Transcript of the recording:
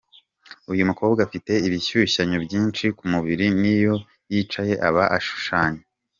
Uyu mukobwa afite ibishushanyo byinshi ku mubiri n'iyo yicaye aba ashushanya.